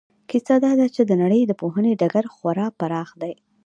کیسه دا ده چې د نړۍ د پوهنې ډګر خورا پراخ دی.